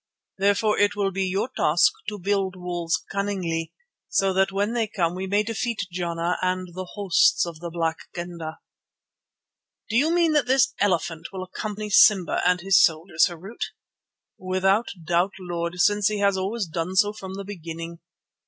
Therefore it will be your task to build walls cunningly, so that when they come we may defeat Jana and the hosts of the Black Kendah." "Do you mean that this elephant will accompany Simba and his soldiers, Harût?" "Without doubt, Lord, since he has always done so from the beginning.